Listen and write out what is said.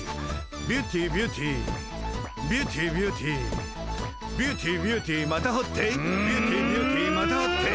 ビューティービューティービューティービューティービューティービューティーまたほってビューティービューティーまたほって。